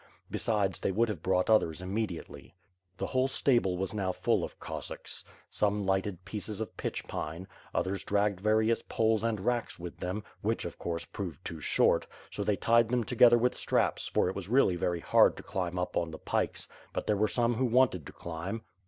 Besides, they would have brought others immediately. The whole stable was now full of Cossacks. Some lighted pieces of pitch pine; others dragged various poles and racks with them, which of course proved too short, so they tied them together with straps; for it was really very hard to climb up on the pikes, but there were some who wanted to climb.